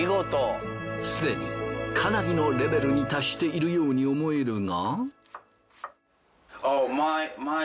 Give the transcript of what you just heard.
すでにかなりのレベルに達しているように思えるが。